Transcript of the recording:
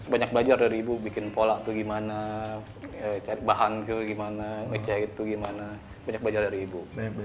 banyak belajar dari ibu bikin pola tuh gimana cari bahan ke gimana ngecek itu gimana banyak belajar dari ibu